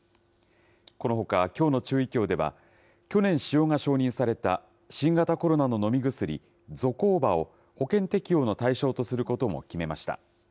このほか、きょうの中医協では、去年使用が承認された新型コロナの飲み薬、ゾコーバを保険適用の対象とすることも決めました。